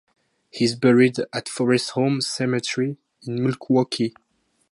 He is buried at Forest Home Cemetery in Milwaukee.